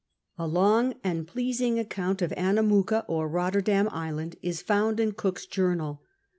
A long and pleasing account of Annamooka or Eotter dam Island is found in Cook's journal.